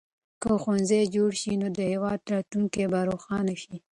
که ښوونځي جوړ شي نو د هېواد راتلونکی به روښانه شي.